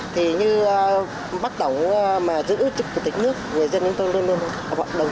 thì như bác tổng giữ chủ tịch nước người dân chúng tôi luôn luôn luôn